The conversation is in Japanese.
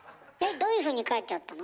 どういうふうに書いてあったの？